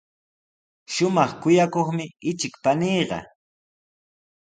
Shumaq kuyakuqmi ichik paniiqa.